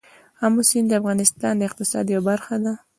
آمو سیند د افغانستان د اقتصاد یوه برخه ده.